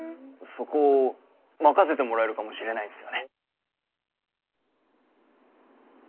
そこ任せてもらえるかもしれないんす